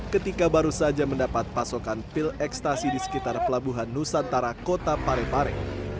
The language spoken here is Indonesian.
ketika baru saja mendapat pasokan pil ekstasi di sekitar pelabuhan nusantara kota parepare